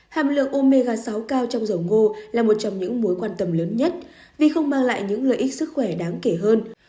hàm lượng omega sáu cao trong dầu ngô là một trong những mối quan tâm lớn nhất vì không mang lại những lợi ích sức khỏe đáng kể hơn